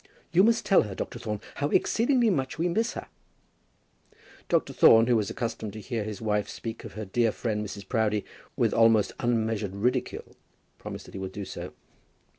"You must tell her, Dr. Thorne, how exceedingly much we miss her." Dr. Thorne, who was accustomed to hear his wife speak of her dear friend Mrs. Proudie with almost unmeasured ridicule, promised that he would do so.